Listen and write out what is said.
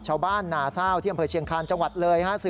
ชาวบ้านหนาเศร้าที่อำเภอเชียงคารจังหวัดเลย